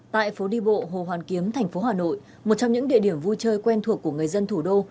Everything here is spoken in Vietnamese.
tại phố đi bộ hồ hoàn kiếm thành phố hà nội một trong những địa điểm vui chơi quen thuộc của người dân thủ đô